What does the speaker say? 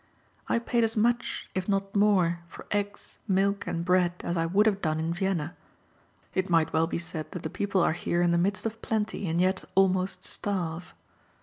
I paid as much, if not more, for eggs, milk, and bread as I would have done in Vienna. It might well be said that the people are here in the midst of plenty, and yet almost starve.